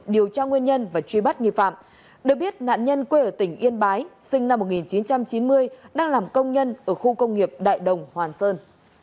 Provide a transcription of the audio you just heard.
điều tra nguyên nhân và truy bắt nghi phạm được biết nạn nhân quê ở tỉnh yên bái sinh năm một nghìn chín trăm chín mươi đang làm công nhân ở khu công nghiệp đại đồng hoàn sơn